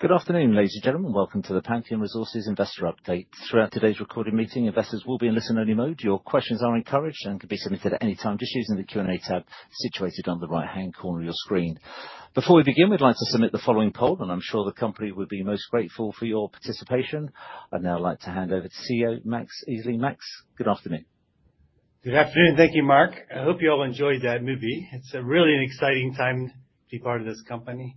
Good afternoon, ladies and gentlemen. Welcome to the Pantheon Resources Investor Update. Throughout today's recorded meeting, investors will be in listen-only mode. Your questions are encouraged and can be submitted at any time just using the Q&A tab situated on the right-hand corner of your screen. Before we begin, we'd like to submit the following poll, and I'm sure the company would be most grateful for your participation. I'd now like to hand over to CEO Max Easley. Max, good afternoon. Good afternoon. Thank you, Mark. I hope you all enjoyed that movie. It's really an exciting time to be part of this company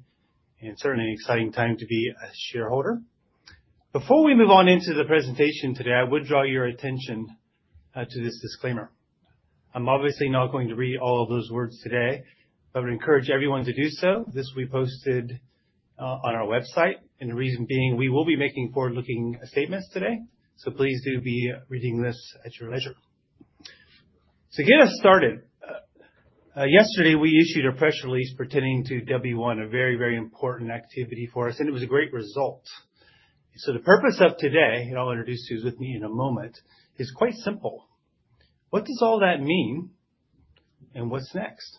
and certainly an exciting time to be a shareholder. Before we move on into the presentation today, I would draw your attention to this disclaimer. I'm obviously not going to read all of those words today, but I would encourage everyone to do so. This will be posted on our website, and the reason being, we will be making forward-looking statements today. Please do be reading this at your leisure. To get us started, yesterday, we issued a press release pertaining to W-1, a very, very important activity for us, and it was a great result. The purpose of today, and I'll introduce who's with me in a moment, is quite simple. What does all that mean, and what's next?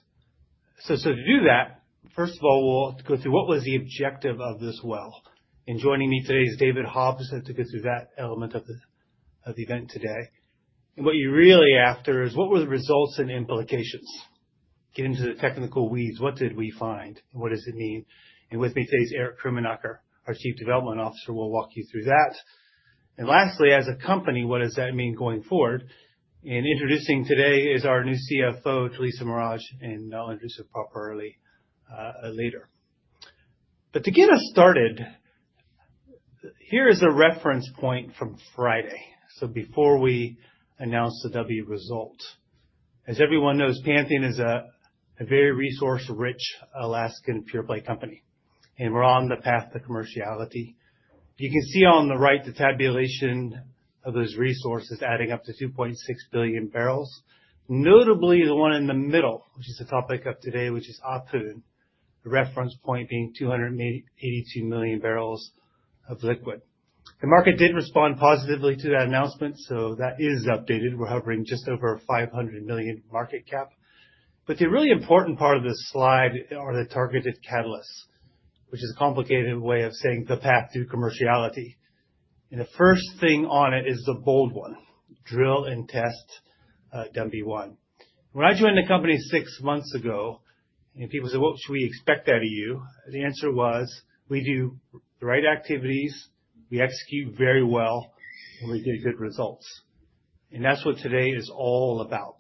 To do that, first of all, we'll go through what was the objective of this well. Joining me today is David Hobbs, who's set to go through that element of the event today. What you're really after is what were the results and implications, get into the technical weeds, what did we find, and what does it mean. With me today is Erich Krummenacher, our Chief Development Officer, will walk you through that. Lastly, as a company, what does that mean going forward? Introducing today is our new CFO, Tralisa Maraj, and I'll introduce her properly later. To get us started, here is a reference point from Friday. Before we announce the W result. As everyone knows, Pantheon is a very resource-rich Alaskan pure play company, and we're on the path to commerciality. You can see on the right the tabulation of those resources adding up to 2.6 billion barrels. Notably, the one in the middle, which is the topic of today, which is Ahpun, the reference point being 282 million barrels of liquid. The market did respond positively to that announcement, so that is updated. We're hovering just over 500 million market cap. But the really important part of this slide are the targeted catalysts, which is a complicated way of saying the path to commerciality. The first thing on it is the bold one, drill and test W-1. When I joined the company six months ago, and people said, "What should we expect out of you?" The answer was, we do the right activities, we execute very well, and we get good results. That's what today is all about.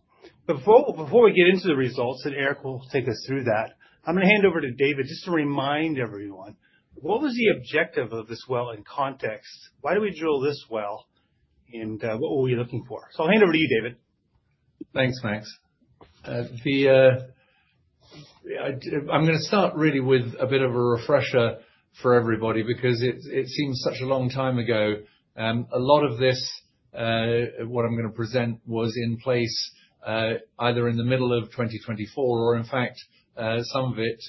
Before we get into the results, and Erich will take us through that, I'm gonna hand over to David just to remind everyone, what was the objective of this well in context? Why do we drill this well, and what were we looking for? I'll hand over to you, David. Thanks, Max. I'm gonna start really with a bit of a refresher for everybody because it seems such a long time ago. A lot of this what I'm gonna present was in place either in the middle of 2024 or in fact some of it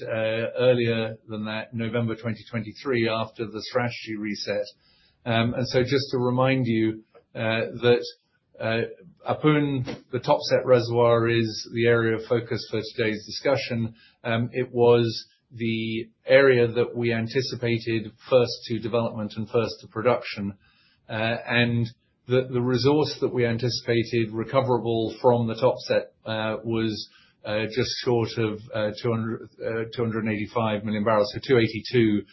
earlier than that, November 2023 after the strategy reset. Just to remind you that Ahpun, the topset reservoir, is the area of focus for today's discussion. It was the area that we anticipated first to development and first to production. The resource that we anticipated recoverable from the topset was just short of 285 million barrels. So 282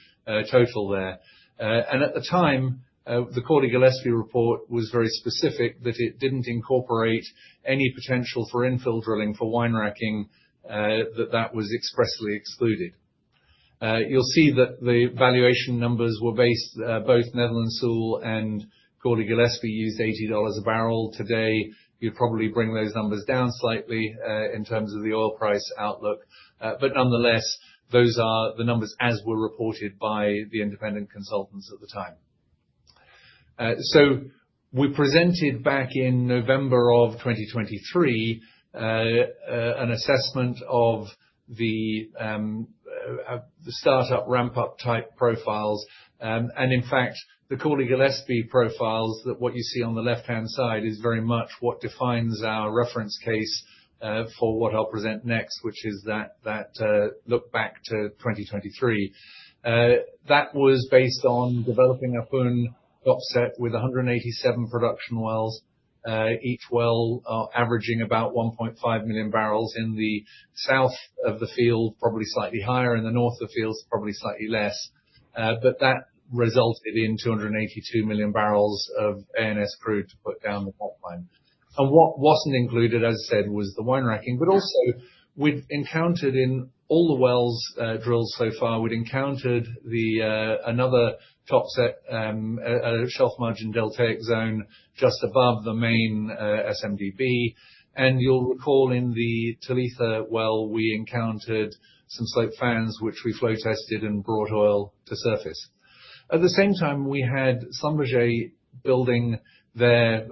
total there. At the time, the Cawley Gillespie report was very specific that it didn't incorporate any potential for infill drilling for wine racking, that was expressly excluded. You'll see that the valuation numbers were based, both Netherland Sewell and Cawley Gillespie used $80 a barrel. Today, you'd probably bring those numbers down slightly, in terms of the oil price outlook. But nonetheless, those are the numbers as were reported by the independent consultants at the time. We presented back in November 2023, an assessment of the start-up, ramp-up type profiles. In fact, the Cawley Gillespie profiles, what you see on the left-hand side is very much what defines our reference case, for what I'll present next, which is that look back to 2023. That was based on developing Ahpun topset with 187 production wells. Each well averaging about 1.5 million barrels in the south of the field, probably slightly higher. In the north of the field, probably slightly less. That resulted in 282 million barrels of ANS crude to put down the pipeline. What wasn't included, as I said, was the wine racking. Also, we've encountered in all the wells drilled so far another topset, a shelf margin deltaic zone just above the main SMDB. You'll recall in the Theta well, we encountered some slope fans which we flow tested and brought oil to surface. At the same time, we had SLB building a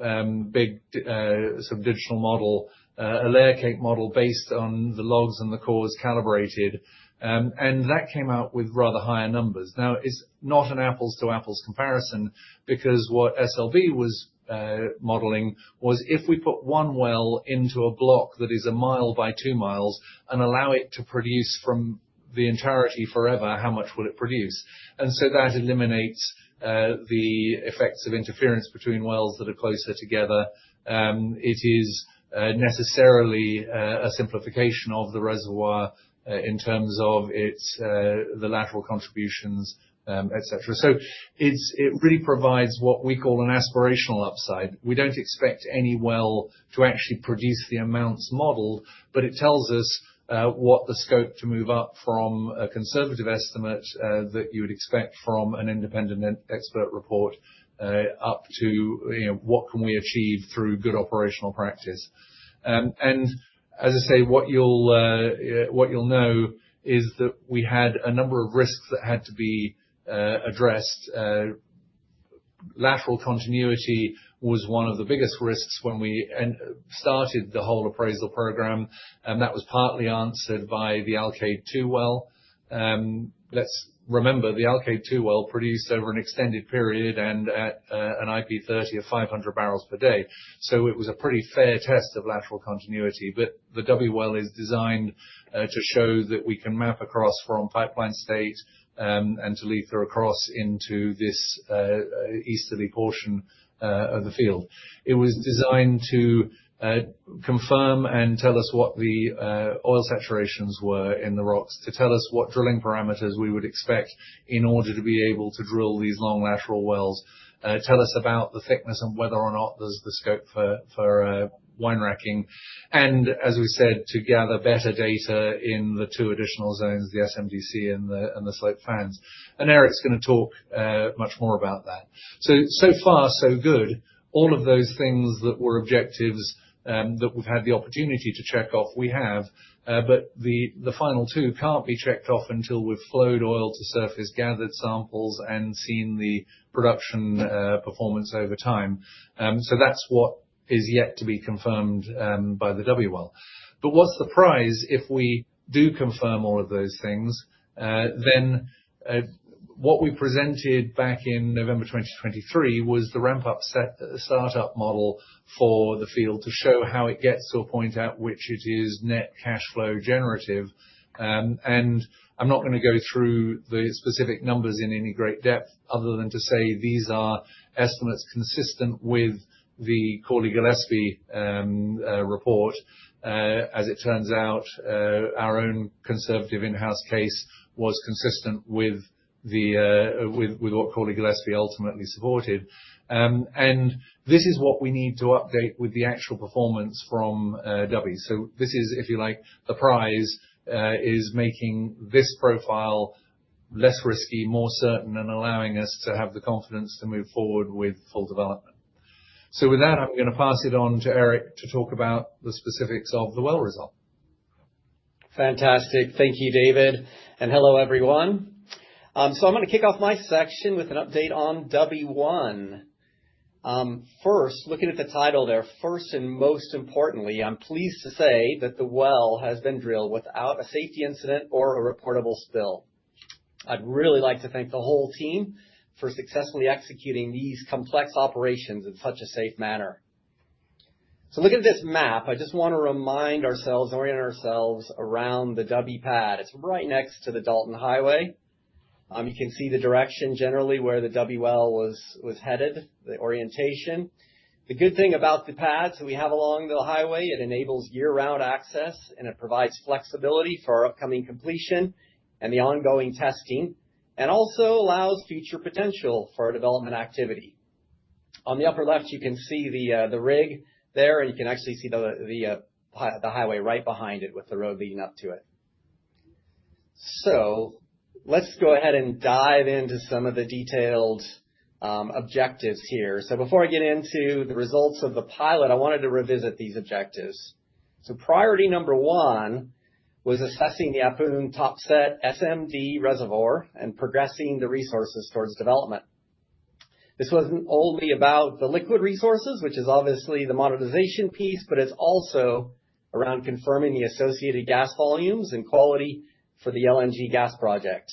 layer cake model based on the logs and the cores calibrated. That came out with rather higher numbers. Now, it's not an apples-to-apples comparison because what SLB was modeling was if we put one well into a block that is a mile by two miles and allow it to produce from the entirety forever, how much would it produce? That eliminates the effects of interference between wells that are closer together. It is necessarily a simplification of the reservoir in terms of its, the lateral contributions, et cetera. It really provides what we call an aspirational upside. We don't expect any well to actually produce the amounts modeled, but it tells us what the scope to move up from a conservative estimate that you would expect from an independent expert report up to, you know, what can we achieve through good operational practice. As I say, what you'll know is that we had a number of risks that had to be addressed. Lateral continuity was one of the biggest risks when we started the whole appraisal program, and that was partly answered by the Alkaid-2 well. Let's remember, the Alkaid-2 well produced over an extended period and at an IP30 of 500 barrels per day. It was a pretty fair test of lateral continuity. The W well is designed to show that we can map across from Pipeline State and Talitha across into this easterly portion of the field. It was designed to confirm and tell us what the oil saturations were in the rocks, to tell us what drilling parameters we would expect in order to be able to drill these long lateral wells, tell us about the thickness and whether or not there's the scope for wine racking. As we said, to gather better data in the two additional zones, the SMDC and the slope fans. Erich's gonna talk much more about that. So far, so good. All of those things that were objectives that we've had the opportunity to check off, we have. The final two can't be checked off until we've flowed oil to surface, gathered samples, and seen the production performance over time. That's what is yet to be confirmed by the W well. What's the prize if we do confirm all of those things? What we presented back in November 2023 was the ramp-up set, the start-up model for the field to show how it gets to a point at which it is net cash flow generative. I'm not gonna go through the specific numbers in any great depth other than to say these are estimates consistent with the Cawley Gillespie report. As it turns out, our own conservative in-house case was consistent with what Cawley Gillespie ultimately supported. This is what we need to update with the actual performance from W. This is, if you like, the prize is making this profile less risky, more certain, and allowing us to have the confidence to move forward with full development. With that, I'm gonna pass it on to Erich to talk about the specifics of the well result. Fantastic. Thank you, David, and hello, everyone. I'm gonna kick off my section with an update on W-1. First, looking at the title there, first and most importantly, I'm pleased to say that the well has been drilled without a safety incident or a reportable spill. I'd really like to thank the whole team for successfully executing these complex operations in such a safe manner. Looking at this map, I just wanna remind ourselves, orient ourselves around the W pad. It's right next to the Dalton Highway. You can see the direction generally where the W well was headed, the orientation. The good thing about the pads we have along the highway, it enables year-round access, and it provides flexibility for our upcoming completion and the ongoing testing, and also allows future potential for development activity. On the upper left, you can see the rig there, and you can actually see the highway right behind it with the road leading up to it. Let's go ahead and dive into some of the detailed objectives here. Before I get into the results of the pilot, I wanted to revisit these objectives. Priority number one was assessing the Ahpun Topset SMD reservoir and progressing the resources towards development. This wasn't only about the liquid resources, which is obviously the monetization piece, but it's also around confirming the associated gas volumes and quality for the LNG gas project.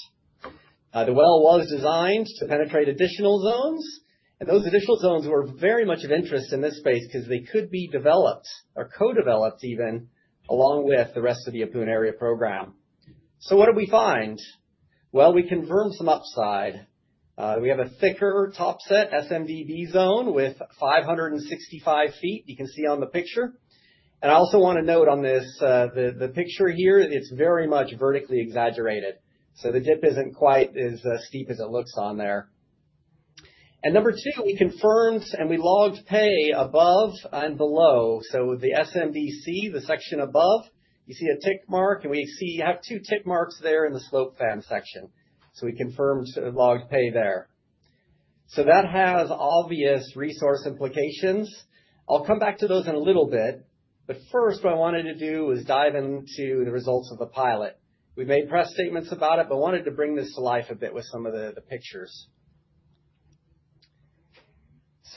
The well was designed to penetrate additional zones, and those additional zones were very much of interest in this space 'cause they could be developed or co-developed even along with the rest of the Ahpun area program. What did we find? Well, we confirmed some upside. We have a thicker topset SMDB zone with 565 feet. You can see on the picture. I also wanna note on this, the picture here, it's very much vertically exaggerated, so the dip isn't quite as steep as it looks on there. Number two, it confirms, and we logged pay above and below. The SMDC, the section above, you see a tick mark, and we see you have two tick marks there in the slope fan section. We confirmed logged pay there. That has obvious resource implications. I'll come back to those in a little bit, but first what I wanted to do was dive into the results of the pilot. We made press statements about it, but wanted to bring this to life a bit with some of the pictures.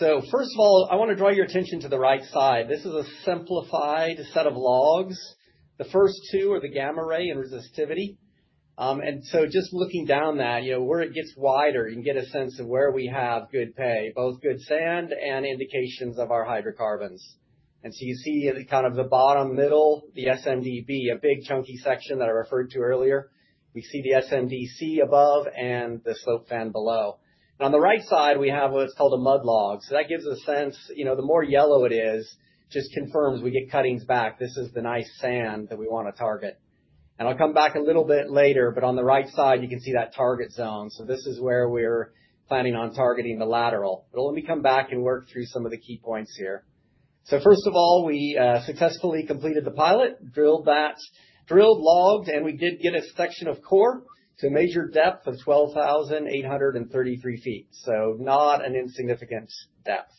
First of all, I wanna draw your attention to the right side. This is a simplified set of logs. The first two are the gamma ray and resistivity. And so just looking down that, you know, where it gets wider, you can get a sense of where we have good pay, both good sand and indications of our hydrocarbons. You see at the kind of the bottom middle, the SMDB, a big chunky section that I referred to earlier. We see the SMDC above and the slope fan below. On the right side, we have what's called a mud log. That gives a sense, you know, the more yellow it is just confirms we get cuttings back. This is the nice sand that we wanna target. I'll come back a little bit later, but on the right side, you can see that target zone. This is where we're planning on targeting the lateral. Let me come back and work through some of the key points here. First of all, we successfully completed the pilot, drilled logs, and we did get a section of core to measure depth of 12,833 feet. Not an insignificant depth.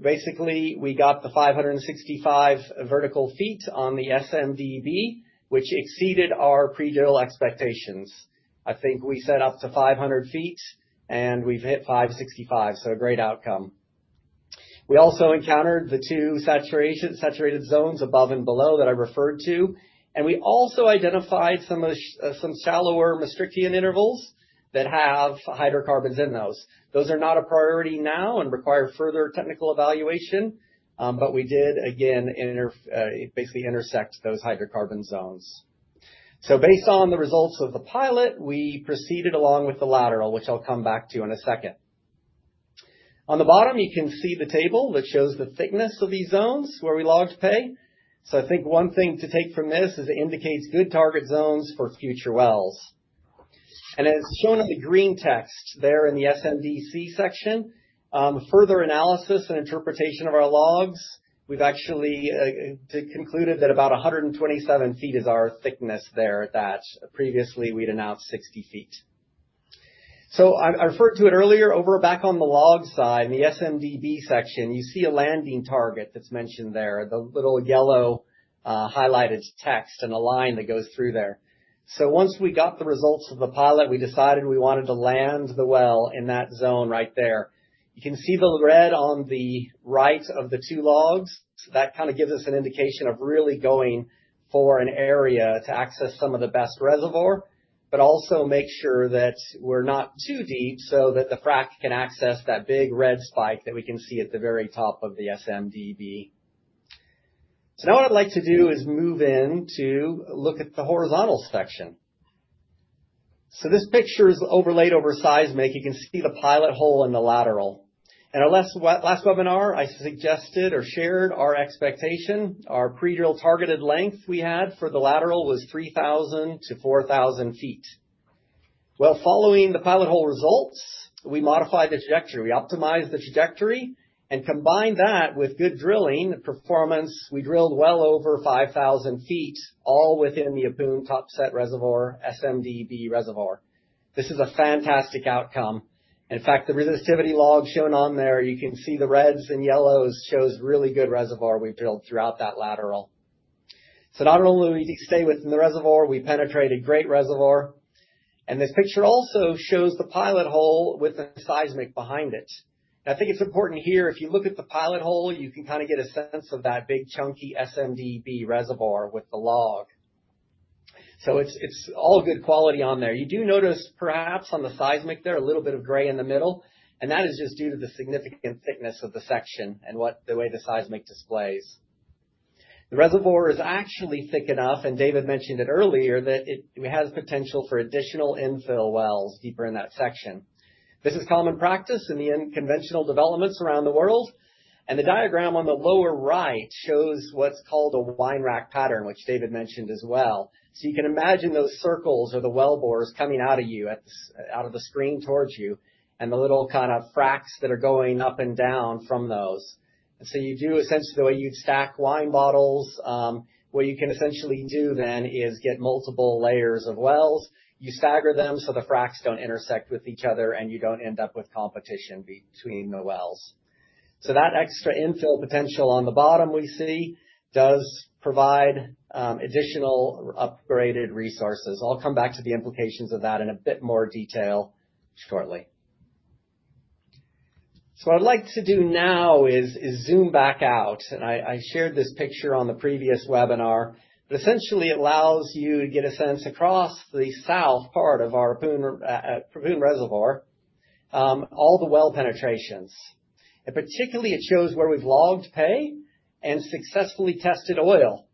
Basically, we got the 565 vertical feet on the SMDB, which exceeded our pre-drill expectations. I think we set up to 500 feet and we've hit 565, so a great outcome. We also encountered the two saturated zones above and below that I referred to, and we also identified some shallower Brookian intervals that have hydrocarbons in those. Those are not a priority now and require further technical evaluation, but we did again basically intersect those hydrocarbon zones. Based on the results of the pilot, we proceeded along with the lateral, which I'll come back to in a second. On the bottom, you can see the table that shows the thickness of these zones where we logged pay. I think one thing to take from this is it indicates good target zones for future wells. As shown in the green text there in the SMDC section, further analysis and interpretation of our logs, we've actually concluded that about 127 feet is our thickness there that previously we'd announced 60 feet. I referred to it earlier over back on the log side, in the SMDB section, you see a landing target that's mentioned there, the little yellow highlighted text and a line that goes through there. Once we got the results of the pilot, we decided we wanted to land the well in that zone right there. You can see the red on the right of the two logs. That kinda gives us an indication of really going for an area to access some of the best reservoir, but also make sure that we're not too deep so that the frack can access that big red spike that we can see at the very top of the SMDB. Now what I'd like to do is move in to look at the horizontal section. This picture is overlaid over seismic. You can see the pilot hole in the lateral. In our last webinar, I suggested or shared our expectation. Our pre-drill targeted length we had for the lateral was 3,000-4,000 feet. Well, following the pilot hole results, we modified the trajectory. We optimized the trajectory and combined that with good drilling performance. We drilled well over 5,000 feet, all within the Ahpun topset reservoir, SMDB reservoir. This is a fantastic outcome. In fact, the resistivity logs shown on there, you can see the reds and yellows, shows really good reservoir we've built throughout that lateral. Not only do we stay within the reservoir, we penetrated great reservoir. This picture also shows the pilot hole with the seismic behind it. I think it's important here, if you look at the pilot hole, you can kinda get a sense of that big chunky SMDB reservoir with the log. It's all good quality on there. You do notice, perhaps, on the seismic there, a little bit of gray in the middle, and that is just due to the significant thickness of the section and the way the seismic displays. The reservoir is actually thick enough, and David mentioned it earlier, that it has potential for additional infill wells deeper in that section. This is common practice in the unconventional developments around the world, and the diagram on the lower right shows what's called a wine rack pattern, which David mentioned as well. You can imagine those circles or the wellbores coming out at you out of the screen towards you, and the little kind of fracs that are going up and down from those. You do essentially the way you'd stack wine bottles what you can essentially do then is get multiple layers of wells. You stagger them, so the fracs don't intersect with each other, and you don't end up with competition between the wells. That extra infill potential on the bottom we see does provide additional upgraded resources. I'll come back to the implications of that in a bit more detail shortly. What I'd like to do now is zoom back out. I shared this picture on the previous webinar. Essentially it allows you to get a sense across the south part of our Ahpun Reservoir all the well penetrations. Particularly it shows where we've logged pay and successfully tested oil.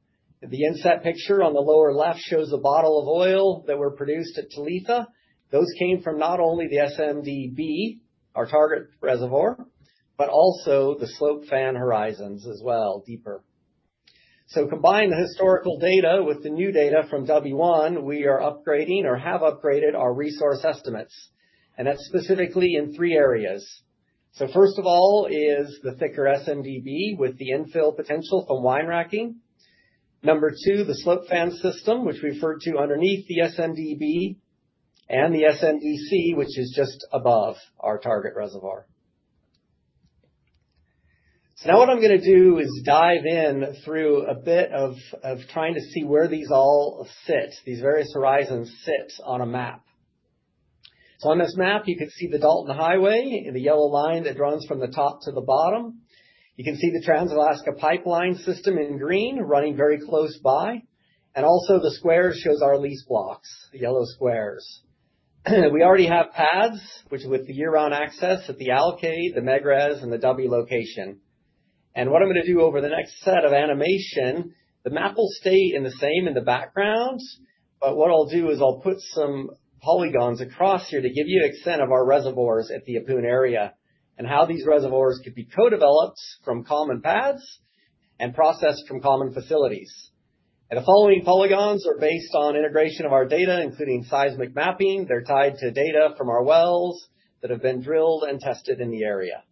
The inset picture on the lower left shows a bottle of oil that were produced at Talitha. Those came from not only the SMDB, our target reservoir, but also the slope fan horizons as well, deeper. Combining the historical data with the new data from W-1, we are upgrading or have upgraded our resource estimates, and that's specifically in three areas. First of all is the thicker SMDB with the infill potential from wine racking. Number two, the slope fan system, which we refer to underneath the SMDB and the SMDC, which is just above our target reservoir. Now what I'm gonna do is dive in through a bit of trying to see where these all fit, these various horizons sit on a map. On this map, you can see the Dalton Highway in the yellow line that runs from the top to the bottom. You can see the Trans-Alaska Pipeline System in green running very close by. Also the square shows our lease blocks, the yellow squares. We already have pads, which with the year-round access at the Alkaid, the Megrez, and the Dubhe location. What I'm gonna do over the next set of animation, the map will stay in the same in the background, but what I'll do is I'll put some polygons across here to give you an extent of our reservoirs at the Ahpun area and how these reservoirs could be co-developed from common pads and processed from common facilities. The following polygons are based on integration of our data, including seismic mapping. They're tied to data from our wells that have been drilled and tested in the area.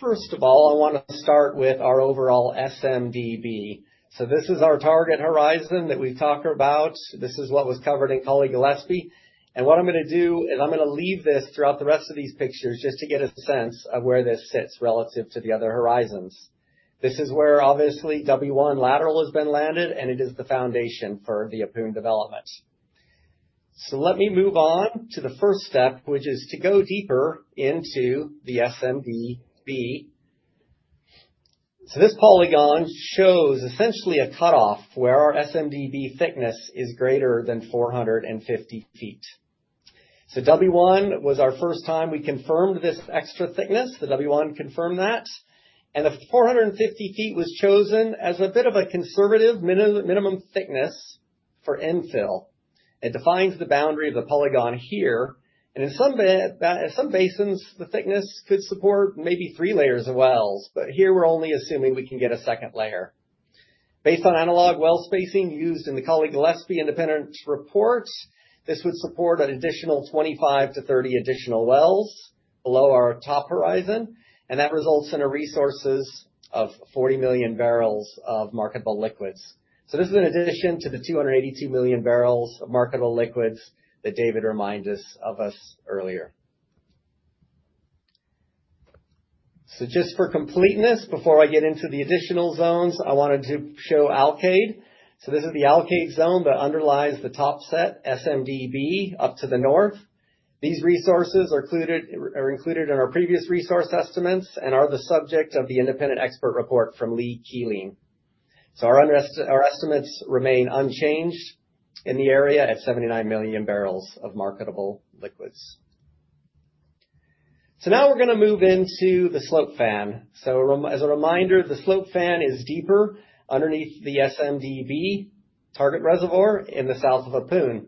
First of all, I wanna start with our overall SMDB. This is our target horizon that we've talked about. This is what was covered in Cawley Gillespie. What I'm gonna do is I'm gonna leave this throughout the rest of these pictures just to get a sense of where this sits relative to the other horizons. This is where obviously W-1 lateral has been landed, and it is the foundation for the Ahpun development. Let me move on to the first step, which is to go deeper into the SMDB. This polygon shows essentially a cutoff where our SMDB thickness is greater than 450 feet. W-1 was our first time we confirmed this extra thickness. The W-1 confirmed that. The 450 feet was chosen as a bit of a conservative minimum thickness for infill and defines the boundary of the polygon here. In some basins, the thickness could support maybe three layers of wells, but here we're only assuming we can get a second layer. Based on analog well spacing used in the Cawley Gillespie independent report, this would support an additional 25-30 wells below our top horizon, and that results in resources of 40 million barrels of marketable liquids. This is an addition to the 282 million barrels of marketable liquids that David reminded us earlier. Just for completeness, before I get into the additional zones, I wanted to show Alkaid. This is the Alkaid zone that underlies the top set SMDB up to the north. These resources are included in our previous resource estimates and are the subject of the independent expert report from Lee Keeling. Our estimates remain unchanged in the area at 79 million barrels of marketable liquids. Now we're gonna move into the slope fan. As a reminder, the slope fan is deeper underneath the SMDB target reservoir in the south of Ahpun.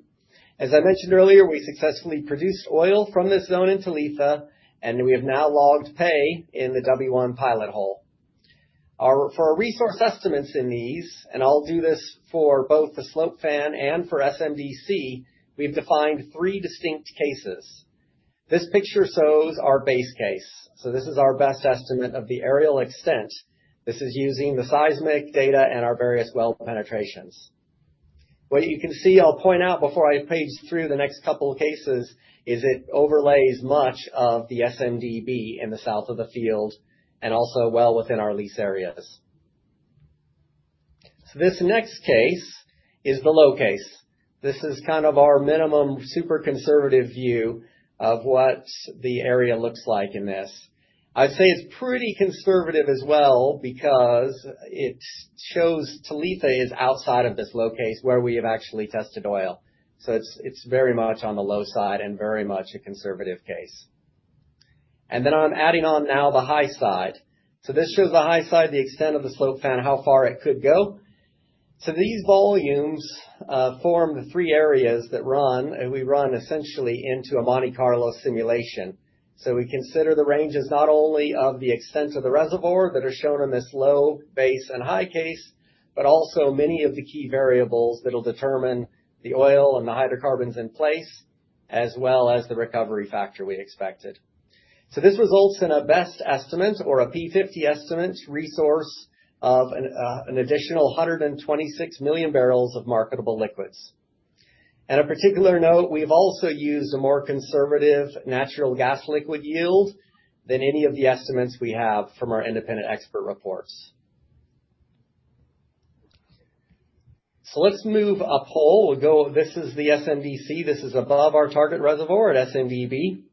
As I mentioned earlier, we successfully produced oil from this zone in Talitha, and we have now logged pay in the W-1 pilot hole. For our resource estimates in these, and I'll do this for both the slope fan and for SMDC, we've defined three distinct cases. This picture shows our base case. This is our best estimate of the areal extent. This is using the seismic data and our various well penetrations. What you can see, I'll point out before I page through the next couple of cases, is it overlays much of the SMDB in the south of the field and also well within our lease areas. This next case is the low case. This is kind of our minimum super conservative view of what the area looks like in this. I'd say it's pretty conservative as well because it shows Talitha is outside of this low case where we have actually tested oil. It's very much on the low side and very much a conservative case. I'm adding on now the high side. This shows the high side, the extent of the slope fan, how far it could go. These volumes form the three areas that run, and we run essentially into a Monte Carlo simulation. We consider the ranges not only of the extent of the reservoir that are shown in this low base and high case, but also many of the key variables that'll determine the oil and the hydrocarbons in place, as well as the recovery factor we expected. This results in a best estimate or a P50 estimate resource of an additional 126 million barrels of marketable liquids. At a particular note, we've also used a more conservative natural gas liquid yield than any of the estimates we have from our independent expert reports. Let's move up hole. We'll go. This is the SMDC. This is above our target reservoir at SMDB.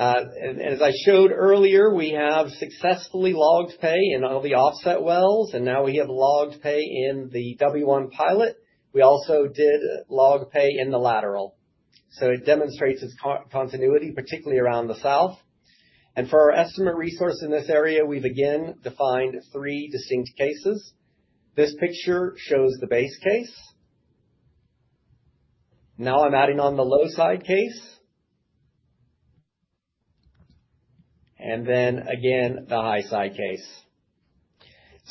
As I showed earlier, we have successfully logged pay in all the offset wells, and now we have logged pay in the W-1 pilot. We also did log pay in the lateral. It demonstrates its continuity, particularly around the south. For our estimate resource in this area, we've again defined three distinct cases. This picture shows the base case. Now I'm adding on the low side case. Then again, the high side case.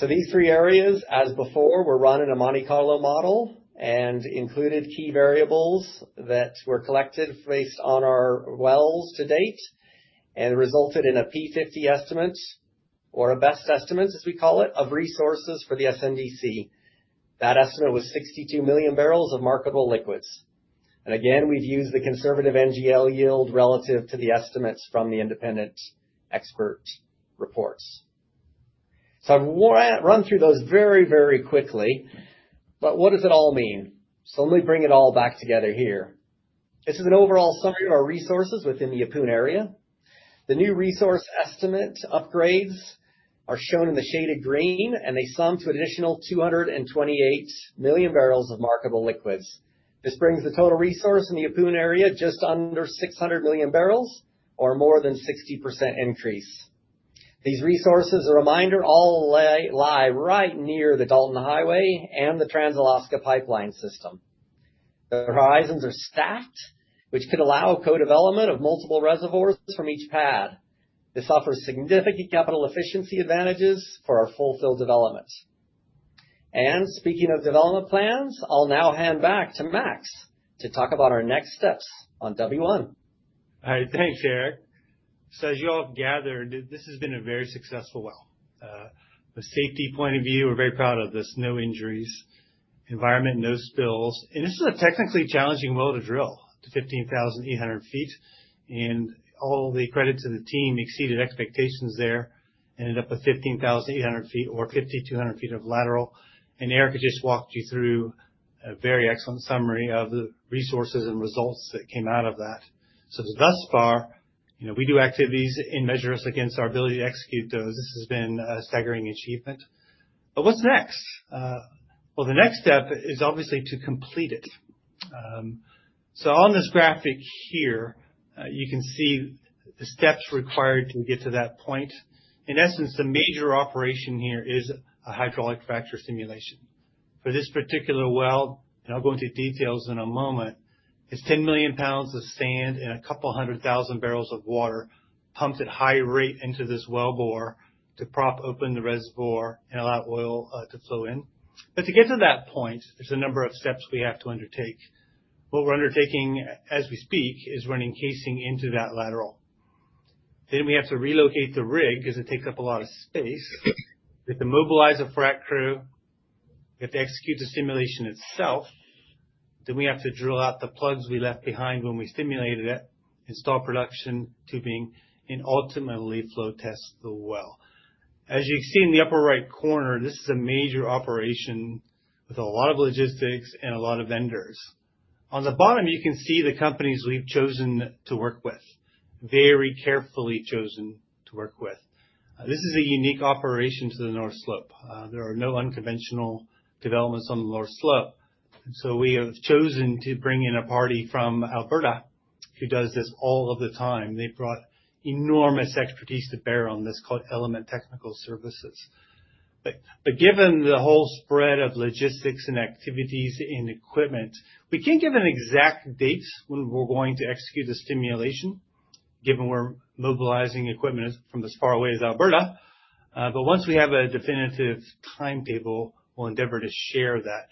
These three areas, as before, were run in a Monte Carlo model and included key variables that were collected based on our wells to date and resulted in a P50 estimate or a best estimate, as we call it, of resources for the SMDC. That estimate was 62 million barrels of marketable liquids. Again, we've used the conservative NGL yield relative to the estimates from the independent expert reports. I've run through those very, very quickly, but what does it all mean? Let me bring it all back together here. This is an overall summary of our resources within the Ahpun area. The new resource estimate upgrades are shown in the shaded green, and they sum to an additional 228 million barrels of marketable liquids. This brings the total resource in the Ahpun area just under 600 million barrels or more than 60% increase. These resources, a reminder, all lie right near the Dalton Highway and the Trans-Alaska pipeline system. The horizons are stacked, which could allow co-development of multiple reservoirs from each pad. This offers significant capital efficiency advantages for our full-field development. Speaking of development plans, I'll now hand back to Max to talk about our next steps on W-1. All right, thanks, Erich. As you all have gathered, this has been a very successful well. From a safety point of view, we're very proud of this. No injuries. Environment, no spills. This is a technically challenging well to drill to 15,800 feet. All the credit to the team exceeded expectations there. Ended up at 15,800 feet or 5,200 feet of lateral. Erich has just walked you through a very excellent summary of the resources and results that came out of that. Thus far, you know, we do activities and measure ourselves against our ability to execute those. This has been a staggering achievement. What's next? The next step is obviously to complete it. On this graphic here, you can see the steps required to get to that point. In essence, the major operation here is a hydraulic fracture stimulation. For this particular well, and I'll go into details in a moment, it's 10 million pounds of sand and 200,000 barrels of water pumped at high rate into this wellbore to prop open the reservoir and allow oil to flow in. To get to that point, there's a number of steps we have to undertake. What we're undertaking as we speak is running casing into that lateral. We have to relocate the rig 'cause it takes up a lot of space. We have to mobilize a frac crew. We have to execute the stimulation itself. We have to drill out the plugs we left behind when we stimulated it, install production tubing, and ultimately flow test the well. As you see in the upper right corner, this is a major operation with a lot of logistics and a lot of vendors. On the bottom, you can see the companies we've chosen to work with. Very carefully chosen to work with. This is a unique operation to the North Slope. There are no unconventional developments on the North Slope, and so we have chosen to bring in a party from Alberta who does this all of the time. They brought enormous expertise to bear on this, called Element Technical Services. Given the whole spread of logistics and activities and equipment, we can't give an exact date when we're going to execute the stimulation, given we're mobilizing equipment from as far away as Alberta. Once we have a definitive timetable, we'll endeavor to share that.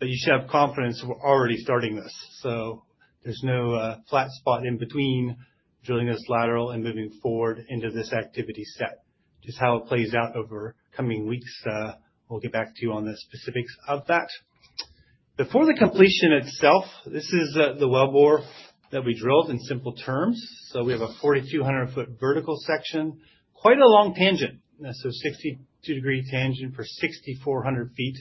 You should have confidence we're already starting this, so there's no flat spot in between drilling this lateral and moving forward into this activity set. Just how it plays out over coming weeks, we'll get back to you on the specifics of that. Before the completion itself, this is the wellbore that we drilled in simple terms. We have a 4,200-foot vertical section, quite a long tangent. 62-degree tangent for 6,400 feet.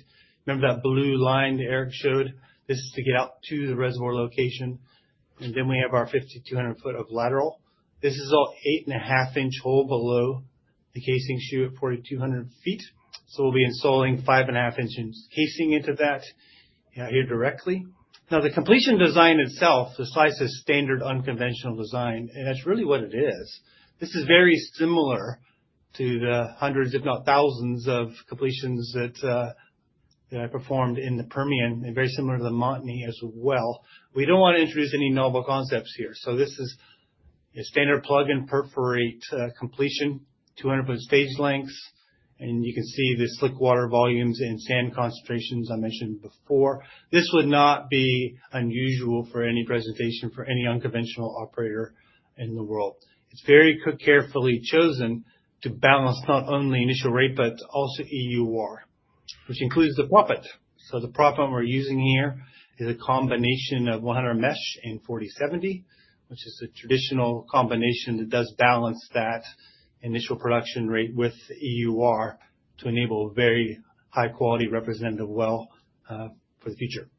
Remember that blue line that Erich showed? This is to get out to the reservoir location. We have our 5,200 feet of lateral. This is all 8.5-inch hole below the casing shoe at 4,200 feet. We'll be installing 5.5-inch liner casing into that out here directly. Now, the completion design itself, decisive standard unconventional design, and that's really what it is. This is very similar to the hundreds, if not thousands, of completions that I performed in the Permian and very similar to the Montney as well. We don't wanna introduce any novel concepts here, so this is a standard plug and perforate completion, 200 stage lengths, and you can see the slickwater volumes and sand concentrations I mentioned before. This would not be unusual for any presentation for any unconventional operator in the world. It's very carefully chosen to balance not only initial rate, but also EUR, which includes the proppant. The proppant we're using here is a combination of 100 mesh and 40/70, which is a traditional combination that does balance that initial production rate with EUR to enable very high quality representative well for the future.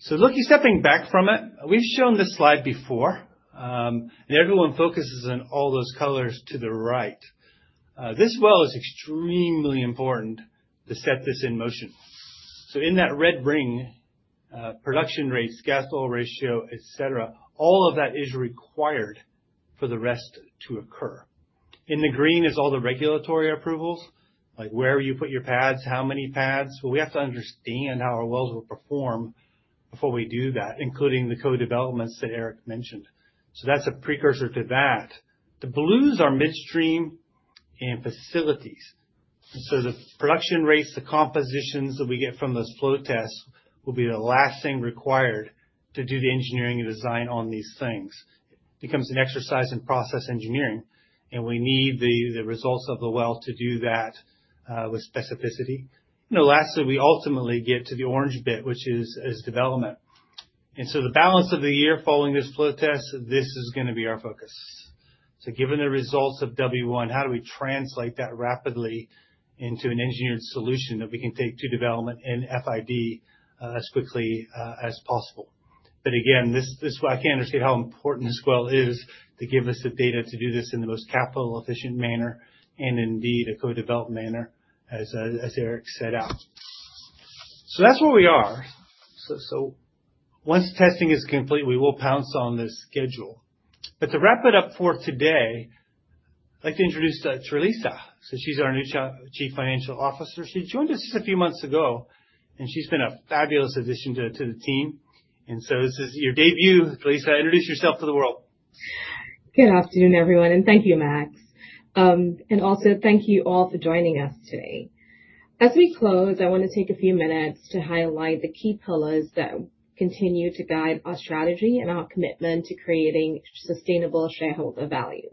Stepping back from it, we've shown this slide before, and everyone focuses on all those colors to the right. This well is extremely important to set this in motion. In that red ring, production rates, gas oil ratio, et cetera, all of that is required for the rest to occur. In the green is all the regulatory approvals, like where you put your pads, how many pads. We have to understand how our wells will perform before we do that, including the co-developments that Erich mentioned. That's a precursor to that. The blues are midstream and facilities. The production rates, the compositions that we get from those flow tests will be the last thing required to do the engineering and design on these things. It becomes an exercise in process engineering, and we need the results of the well to do that with specificity. Lastly, we ultimately get to the orange bit, which is development. The balance of the year following this flow test, this is gonna be our focus. Given the results of W-1, how do we translate that rapidly into an engineered solution that we can take to development and FID as quickly as possible? Again, I can't understate how important this well is to give us the data to do this in the most capital efficient manner and indeed a co-development manner as Erich set out. That's where we are. Once testing is complete, we will pounce on this schedule. To wrap it up for today, I'd like to introduce Tralisa. She's our new Chief Financial Officer. She joined us just a few months ago, and she's been a fabulous addition to the team. This is your debut, Tralisa. Introduce yourself to the world. Good afternoon, everyone, and thank you, Max. Also thank you all for joining us today. As we close, I wanna take a few minutes to highlight the key pillars that continue to guide our strategy and our commitment to creating sustainable shareholder value.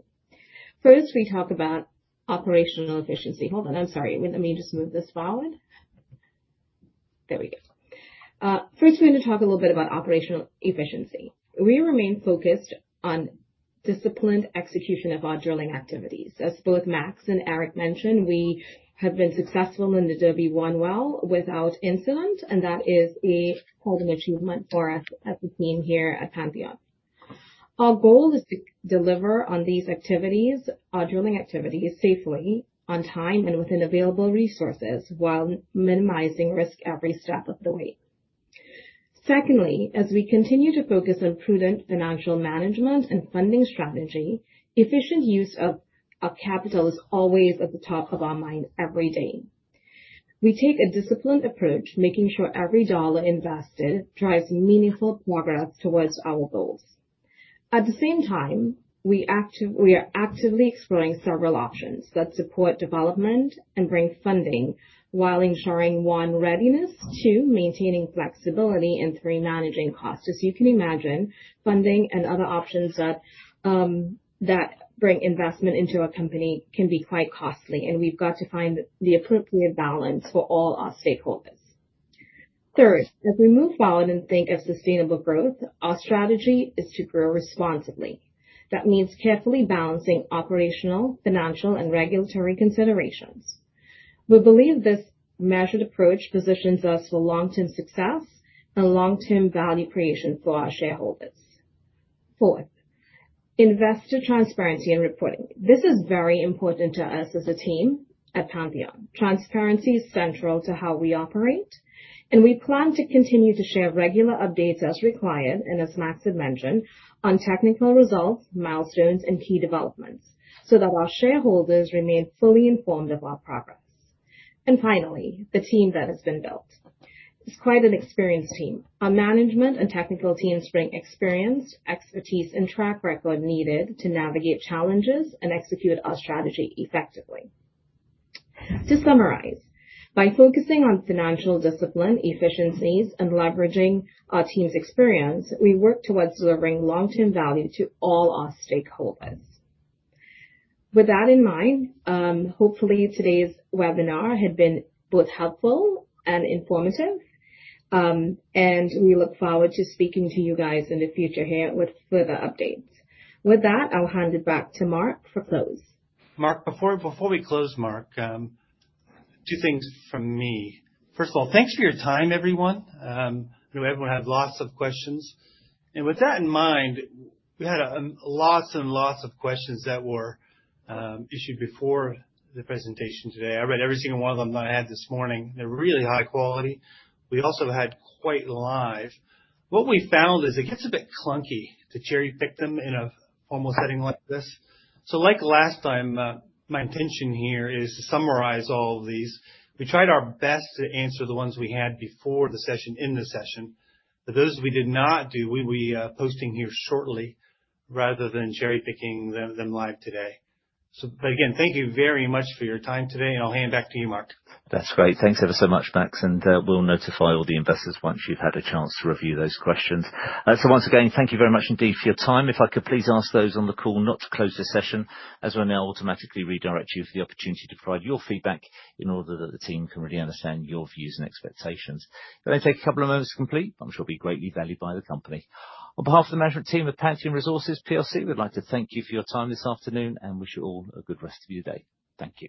First, we're gonna talk a little bit about operational efficiency. We remain focused on disciplined execution of our drilling activities. As both Max and Erich mentioned, we have been successful in the W-1 well without incident, and that is a notable achievement for us as a team here at Pantheon. Our goal is to deliver on these activities, our drilling activities, safely, on time, and within available resources while minimizing risk every step of the way. Secondly, as we continue to focus on prudent financial management and funding strategy, efficient use of capital is always at the top of our mind every day. We take a disciplined approach, making sure every dollar invested drives meaningful progress towards our goals. At the same time, we are actively exploring several options that support development and bring funding while ensuring, one, readiness, two, maintaining flexibility, and three, managing costs. As you can imagine, funding and other options that bring investment into a company can be quite costly, and we've got to find the appropriate balance for all our stakeholders. Third, as we move forward and think of sustainable growth, our strategy is to grow responsibly. That means carefully balancing operational, financial, and regulatory considerations. We believe this measured approach positions us for long-term success and long-term value creation for our shareholders. Fourth, investor transparency and reporting. This is very important to us as a team at Pantheon. Transparency is central to how we operate, and we plan to continue to share regular updates as required, and as Max had mentioned, on technical results, milestones, and key developments, so that our shareholders remain fully informed of our progress. Finally, the team that has been built. It's quite an experienced team. Our management and technical teams bring experience, expertise, and track record needed to navigate challenges and execute our strategy effectively. To summarize, by focusing on financial discipline, efficiencies, and leveraging our team's experience, we work towards delivering long-term value to all our stakeholders. With that in mind, hopefully today's webinar had been both helpful and informative, and we look forward to speaking to you guys in the future here with further updates. With that, I'll hand it back to Mark for close. Mark, before we close, Mark, two things from me. First of all, thanks for your time, everyone. I know everyone had lots of questions. With that in mind, we had lots and lots of questions that were issued before the presentation today. I read every single one of them that I had this morning. They're really high quality. We also had quite a live Q&A. What we found is it gets a bit clunky to cherry-pick them in a formal setting like this. Like last time, my intention here is to summarize all these. We tried our best to answer the ones we had before the session, in the session. For those we did not do, we will be posting here shortly rather than cherry-picking them live today. again, thank you very much for your time today, and I'll hand back to you, Mark. That's great. Thanks ever so much, Max, and we'll notify all the investors once you've had a chance to review those questions. Once again, thank you very much indeed for your time. If I could please ask those on the call not to close this session as we'll now automatically redirect you for the opportunity to provide your feedback in order that the team can really understand your views and expectations. It'll only take a couple of moments to complete, but I'm sure it'll be greatly valued by the company. On behalf of the management team at Pantheon Resources plc, we'd like to thank you for your time this afternoon and wish you all a good rest of your day. Thank you.